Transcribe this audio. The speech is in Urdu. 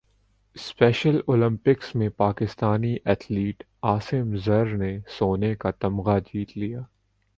اسپیشل اولمپکس میں پاکستانی ایتھلیٹ عاصم زر نے سونے کا تمغہ جیت لیا